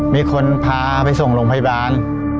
มีคนพาไปส่งโรงพยาบาล